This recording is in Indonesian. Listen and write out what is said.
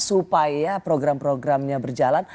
supaya program programnya berjalan